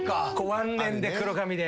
ワンレンで黒髪で。